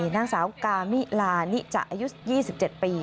นางสาวกามิลานิจะอายุ๒๗ปี